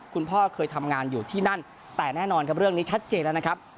คุณพ่อเคยทำงานอยู่ที่นั่นแต่แน่นอนครับเรื่องนี้ชัดเจนแล้วนะครับ